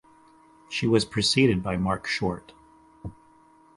She was preceded by Marc Short.